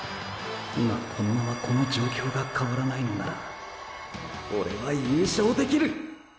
今このままこの状況が変わらないのならオレは優勝できる！